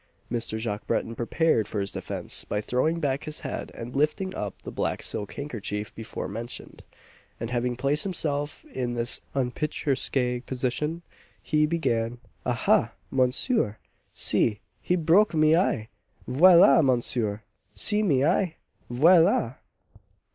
Mr. Jacques Breton prepared for his defence by throwing back his head and lifting up the black silk handkerchief before mentioned; and having placed himself in this unpicturesque position, he began "Ahah! monsieur see he broke my eye! Voilà, monsieur! see my eye! _Voilà!